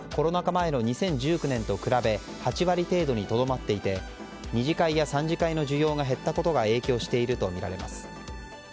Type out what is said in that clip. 前の２０１９年と比べ８割程度にとどまっていて２次会や３次会の需要が減ったことが影響しているとみられます。